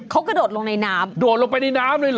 เขากระโดดลงในน้ำโดดลงไปในน้ำเลยเหรอ